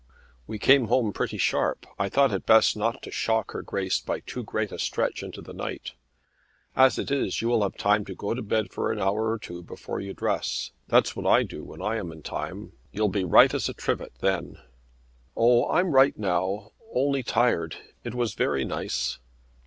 "We came home pretty sharp. I thought it best not to shock her Grace by too great a stretch into the night. As it is you will have time to go to bed for an hour or two before you dress. That's what I do when I am in time. You'll be right as a trivet then." "Oh; I'm right now, only tired. It was very nice."